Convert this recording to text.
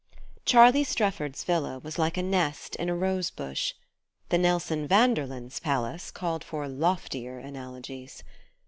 CHARLIE STREFFORD'S villa was like a nest in a rose bush; the Nelson Vanderlyns' palace called for loftier analogies.